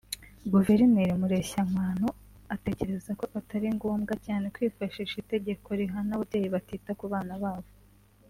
Guverineri Mureshyankwano atekereza ko atari ngombwa cyane kwifashisha itegeko rihana ababyeyi batita ku bana babo